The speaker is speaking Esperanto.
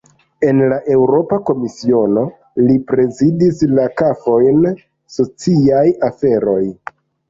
En la Eŭropa Komisiono, li prezidis la fakojn "sociaj aferoj".